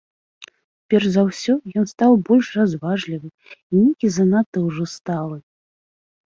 Перш за ўсё ён стаў больш разважлівы і нейкі занадта ўжо сталы.